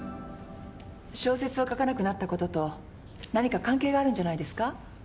小説を書かなくなったことと何か関係があるんじゃないですか？